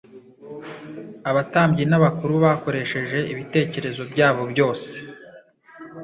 Abatambyi n’abakuru bakoresheje ibitekerezo byabo byose